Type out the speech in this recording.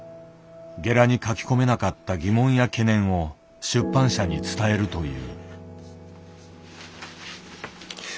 ゲラに書き込めなかった疑問や懸念を出版社に伝えるという。